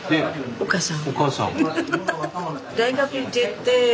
お母さん。